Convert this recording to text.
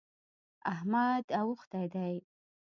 احمد اوښتی دی.